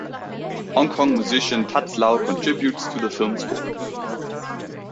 Hong Kong musician Tats Lau contributes to the film score.